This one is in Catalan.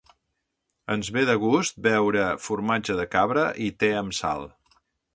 Ens ve de gust veure "Formatge de cabra i te amb sal".